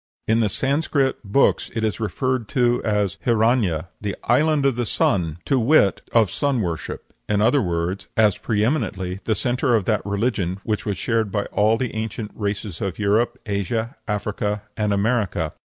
In the Sanscrit books it is referred to as Hiranya, the "Island of the Sun," to wit, of sun worship; in other words, as pre eminently the centre of that religion which was shared by all the ancient races of Europe, Asia, Africa, and America.